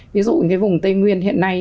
ví dụ cái vùng tây nguyên hiện nay